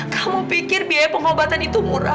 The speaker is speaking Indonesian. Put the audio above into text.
kamu pikir biaya pengobatan itu murah